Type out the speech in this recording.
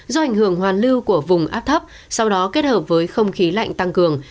do ảnh hưởng hoàn lưu của vùng áp thấp sau đó kết hợp với không khí lạnh tăng cường